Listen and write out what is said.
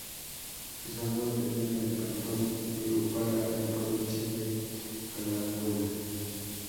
Sus aguas drenan el cantón de Upala, en la provincia de Alajuela.